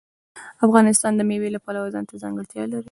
افغانستان د مېوې د پلوه ځانته ځانګړتیا لري.